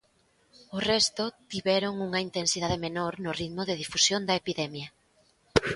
O resto "tiveron unha intensidade menor no ritmo de difusión da epidemia".